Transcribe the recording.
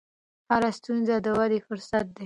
هره ستونزه د ودې فرصت دی.